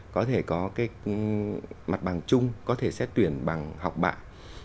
có thể có cái mặt bằng chung có thể xét tuyển bằng học bạ